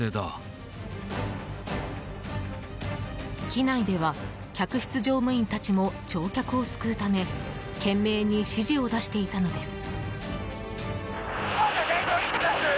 機内では客室乗務員たちも乗客を救うため懸命に指示を出していたのです。